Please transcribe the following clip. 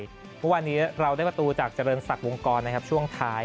เพราะวันนี้เราได้ประตูจากเจริญศักดิ์วงกรช่วงท้าย